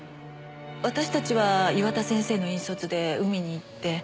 私たちは岩田先生の引率で海に行って。